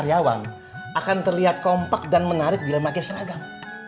karyawan akan terlihat kompak dan menarik bila pakai seragam